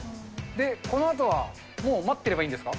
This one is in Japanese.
で、このあとはもう待ってればいいんですか？